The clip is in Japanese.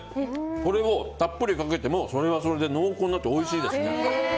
これをたっぷりかけてもそれはそれで濃厚になっておいしいですね。